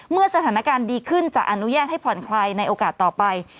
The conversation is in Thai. เมื่อสถานการณ์ดีขึ้นจะอนุญาตให้ผ่อนคลายในโอกาสต่อไป